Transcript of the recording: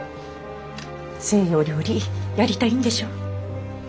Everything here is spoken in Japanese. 西洋料理やりたいんでしょ？